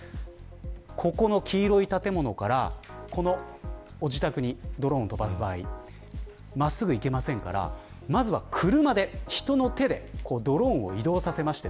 黄色い建物からこの自宅にドローンを飛ばす場合は、真っすぐ行けないのでまずは車で人の手でドローンを移動させます。